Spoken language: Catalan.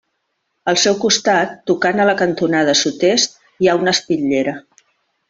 Al seu costat, tocant a la cantonada sud-est, hi ha una espitllera.